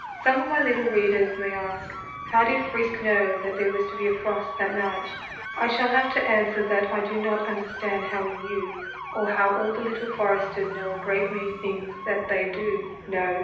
Some of my little readers may ask, How did Frisk know that there was to be a frost that night ? I shall have to answer that I do not understand how he knew, or how all the Little Foresters know a great many things that they do know.